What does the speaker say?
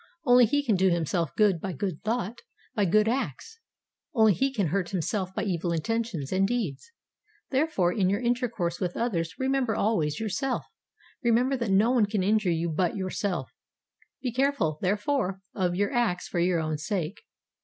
Only he can do himself good by good thought, by good acts; only he can hurt himself by evil intentions and deeds. Therefore in your intercourse with others remember always yourself, remember that no one can injure you but yourself; be careful, therefore, of your acts for your own sake.